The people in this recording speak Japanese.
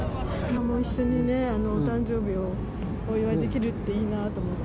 一緒にね、お誕生日をお祝いできるっていいなと思って。